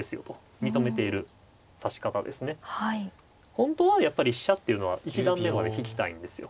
本当はやっぱり飛車っていうのは一段目まで引きたいんですよ。